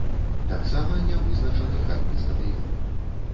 Таксама не вызначаны хатні стадыён.